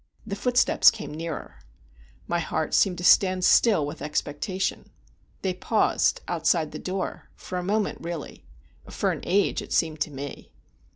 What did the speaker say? The footsteps came nearer. My heart seemed to stand still with expectation. They paused outside the door, for a moment really—for an age it seemed to me.